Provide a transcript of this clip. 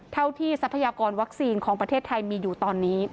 เท่าที่ทรัพยากรวัคซีนของประเทศไทยมีอยู่ตอนนี้